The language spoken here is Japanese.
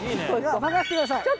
任せてください！